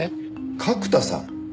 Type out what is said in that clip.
角田さん？